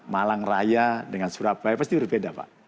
malang raya dengan surabaya pasti berbeda pak